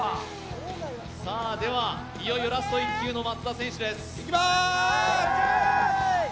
では、いよいよラスト１球の松田選手です。